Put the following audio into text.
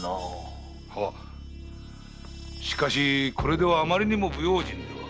しかしこれではあまりにも不用心では？